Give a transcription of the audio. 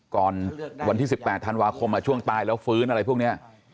ก่อนวันที่๑๘ธันวาคมช่วงตายแล้วฟื้นอะไรพวกนี้